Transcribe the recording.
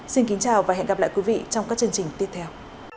xin kính chào và hẹn gặp lại quý vị trong các chương trình tiếp theo